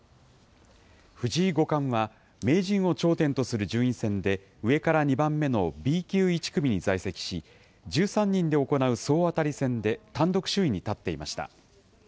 藤井五冠は、名人を頂点とする順位戦で、上から２番目のＢ級１組に在籍し、１３人で行う総当たり戦で単独首位に立っていました。